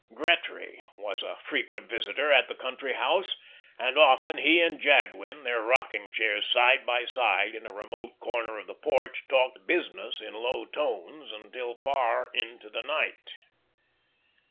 Gretry was a frequent visitor at the country house, and often he and Jadwin, their rocking chairs side by side in a remote corner of the porch, talked "business" in low tones till far into the night.